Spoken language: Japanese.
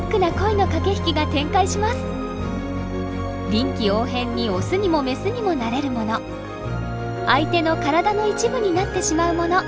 臨機応変にオスにもメスにもなれるもの相手の体の一部になってしまうもの。